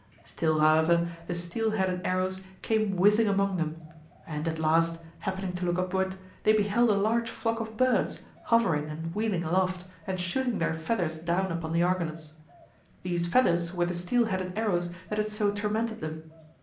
Still, however, the steel headed arrows came whizzing among them; and at last, happening to look upward, they beheld a large flock of birds hovering and wheeling aloft and shooting their feathers down upon the Argonauts. These feathers were the steel headed arrows that had so tormented them.